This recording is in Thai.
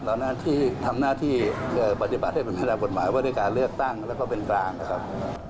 เราทำหน้าที่ปฏิบัติให้เป็นเวลาบทหมายว่าได้การเลือกตั้งและก็เป็นกลางนะครับ